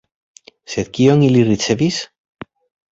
Sed kion ili ricevis?